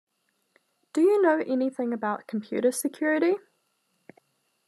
Do you know anything about computer security?